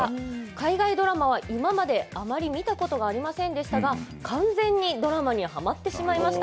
海外ドラマは今まで、あまり見たことがありませんでしたが完全にドラマにはまってしまいました。